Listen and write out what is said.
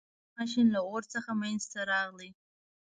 • بخار ماشین له اور څخه منځته راغی.